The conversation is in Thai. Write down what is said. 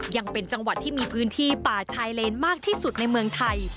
ยังเป็นจังหวัดที่มีพื้นที่ป่าชายเลนมากที่สุดในเมืองไทย